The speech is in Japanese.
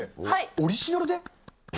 オリジナルで？